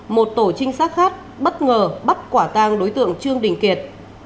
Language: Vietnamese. một tổ trinh sát khác bất ngờ bắt quả tang đối tượng trương đình kiệt